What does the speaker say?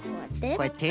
こうやって。